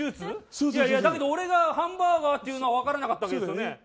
だけど、俺がハンバーガーって言うかは分からなかったよね。